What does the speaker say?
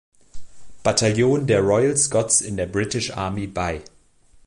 Battalion der Royal Scots in der British Army bei.